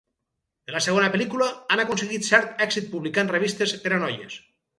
En la segona pel·lícula, han aconseguit cert èxit publicant revistes per a noies.